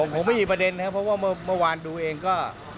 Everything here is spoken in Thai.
ผมไม่มีประเด็นครับเพราะว่าเมื่อวานดูเองก็